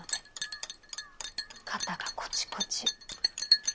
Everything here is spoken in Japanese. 肩がコチコチ。